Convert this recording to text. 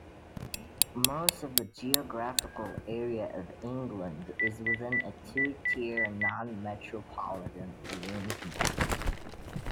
Most of the geographical area of England is within a two-tier non-metropolitan arrangement.